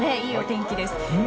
いいお天気です。